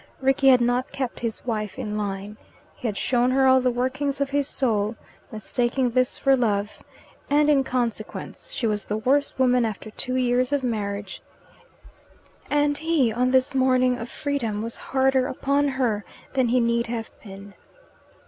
Rickie had not kept his wife in line. He had shown her all the workings of his soul, mistaking this for love; and in consequence she was the worse woman after two years of marriage, and he, on this morning of freedom, was harder upon her than he need have been.